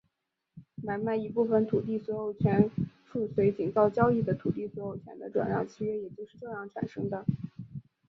买卖一部分土地所有权附随井灶交易的土地所有权的转让契约也就是这样产生的。